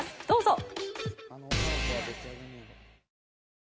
どうぞ！